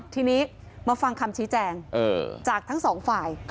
ทีนี้มาฟังคำชี้แจงจากทั้งสองฝ่าย